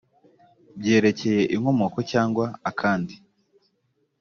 byerekeye inkomoko cyangwa akandi